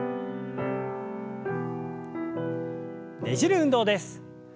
ねじる運動です。